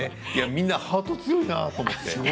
みんなハート強いなと思って。